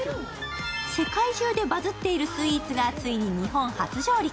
世界中でバズっているスイーツがついに日本初上陸。